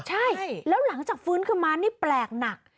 ใช่แล้วหลังจากฟื้นขึ้นมานี่แปลกหนัก